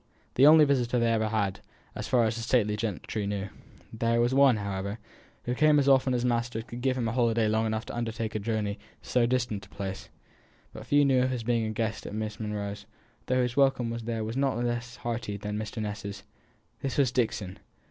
The only visitor they ever had, as far as the stately gentry knew. There was one, however, who came as often as his master could give him a holiday long enough to undertake a journey to so distant a place; but few knew of his being a guest at Miss Monro's, though his welcome there was not less hearty than Mr. Ness's this was Dixon.